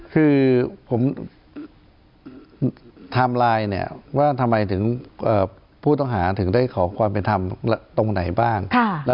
คือผมไทม์ไลน์เนี่ยว่าทำไมถึงผู้ต้องหาถึงได้ขอความเป็นธรรมตรงไหนบ้าง